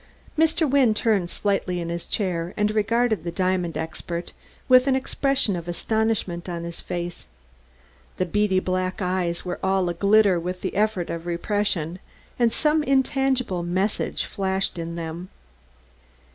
Mr. Wynne turned slightly in his chair and regarded the diamond expert with an expression of astonishment on his face. The beady black eyes were all aglitter with the effort of repression, and some intangible message flashed in them.